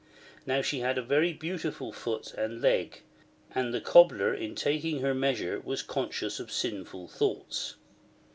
Now she had a very beautiful foot and leg" ; and the Cobler in taking her measure was conscious of sinful thouo hts.